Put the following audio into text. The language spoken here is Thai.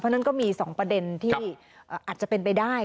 เพราะฉะนั้นก็มี๒ประเด็นที่อาจจะเป็นไปได้